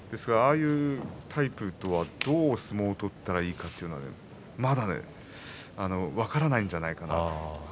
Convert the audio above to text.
ああいうタイプとはどう相撲を取ったらいいのかまだ分からないんじゃないかなと。